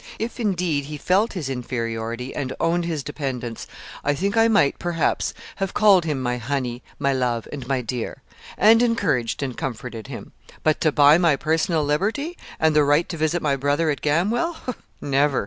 If, indeed, he felt his inferiority and owned his dependence, I think I might, perhaps, have called him "my honey, my love, and my dear," and encouraged and comforted him; but to buy my personal liberty, and the right to visit my brother at Gamwell never!'